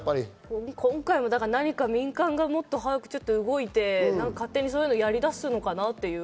今回は民間がちょっと早く動いて、そういうのを勝手にやりだすのかなっていう。